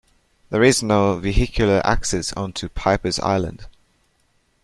There is no vehicular access onto Pipers Island.